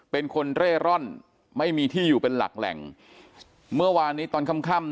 เป็นคนเร่ร่อนไม่มีที่อยู่เป็นหลักแหล่งเมื่อวานนี้ตอนค่ำค่ำ